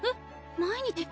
毎日。